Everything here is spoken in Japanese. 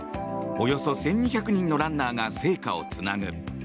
およそ１２００人のランナーが聖火をつなぐ。